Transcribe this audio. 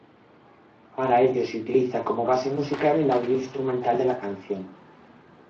Para ello se utiliza como base musical el audio instrumental de la canción.